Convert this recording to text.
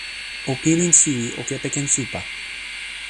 o pilin suwi o kepeken supa.